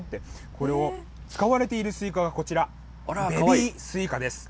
これ、使われているスイカがこちら、ベビースイカです。